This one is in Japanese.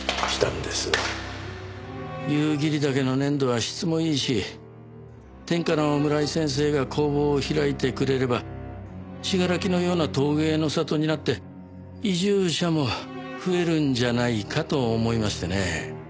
夕霧岳の粘土は質もいいし天下の村井先生が工房を開いてくれれば信楽のような陶芸の里になって移住者も増えるんじゃないかと思いましてね。